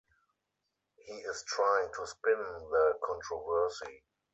He is trying to spin the controversy.